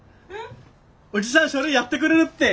叔父さん書類やってくれるって！